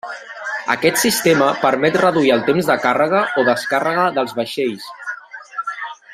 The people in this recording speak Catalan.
Aquest sistema permet reduir el temps de càrrega o descàrrega dels vaixells.